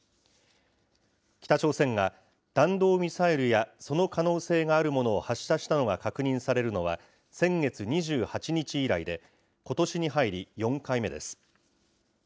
北朝鮮が、弾道ミサイルやその可能性があるものを発射したのが確認されるのは、先月２８日以来で、ことしに入り４回目です。